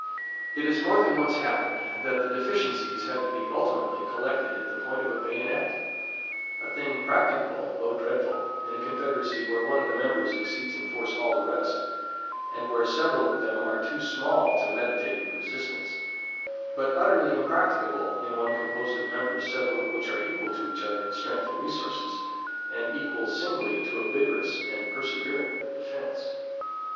It has more than once happened, that the deficiencies had to be ultimately collected at the point of the bayonet; a thing practicable, though dreadful, in a confederacy where one of the members exceeds in force all the rest, and where several of them are too small to meditate resistance; but utterly impracticable in one composed of members, several of which are equal to each other in strength and resources, and equal singly to a vigorous and persevering defense.